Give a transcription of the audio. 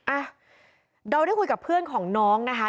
อ่ะเราได้คุยกับเพื่อนของน้องนะคะ